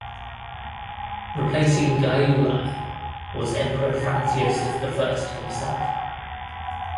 Replacing Gyulai was Emperor Franz Josef I himself.